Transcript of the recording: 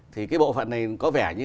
thì cái bộ phận này có vẻ như